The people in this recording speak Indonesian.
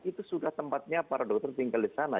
itu sudah tempatnya para dokter tinggal di sana